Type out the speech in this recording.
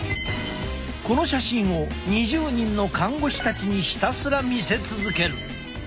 この写真を２０人の看護師たちにひたすら見せ続ける。